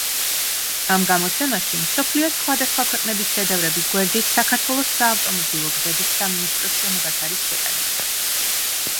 ამ გამოცემაში მსოფლიოს სხვადასხვა ქვეყნების შედევრების გვერდით საქართველოს საავტომობილო გზების სამინისტროს შენობაც არის შეტანილი.